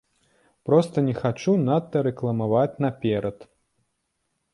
Проста не хачу надта рэкламаваць наперад.